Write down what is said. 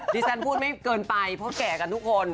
ที่ฉันพูดไม่เกินไปเพราะแก่กันทุกคน